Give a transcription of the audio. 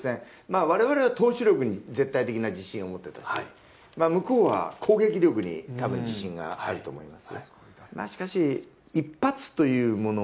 我々は投手力に絶対的な自信を持ってたし向こうは、攻撃力にたぶん、自信があると思います。